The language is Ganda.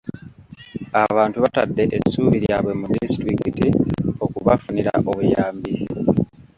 Abantu batadde essuubi lyabwe mu disitulikiti okubafunira obuyambi.